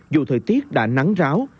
dù thời tiết đã nắng ráo